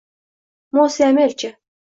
Mos`e Amel-chi